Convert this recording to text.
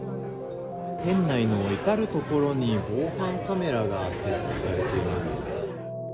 店内の至る所に防犯カメラが設置されています。